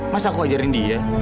masa aku ajarin dia